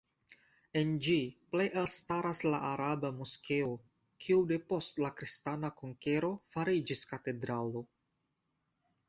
En ĝi plej elstaras la araba Moskeo, kiu depost la kristana konkero fariĝis katedralo.